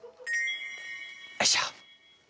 よいしょ。